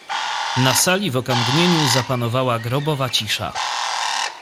"Na sali w okamgnieniu zapanowała grobowa cisza."